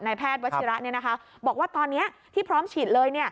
แพทย์วัชิระบอกว่าตอนนี้ที่พร้อมฉีดเลย